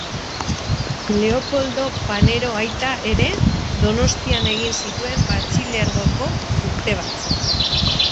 Leopoldo Panero aita ere Donostian egin zituen Batxilergoko urte batzuk.